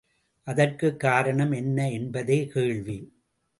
அதற்குக் காரணம் என்ன என்பதே கேள்வி.